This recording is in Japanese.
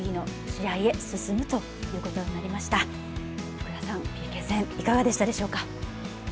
福田さん、ＰＫ戦、いかがだったでしょうか。